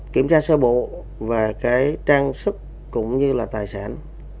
kiểm tra sơ bộ về trang sức cũng như là tài sản